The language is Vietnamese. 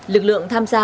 lực lượng tham gia